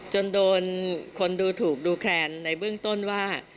จนโดนคนดูถูกดูแคลนในเบื้องต้นว่า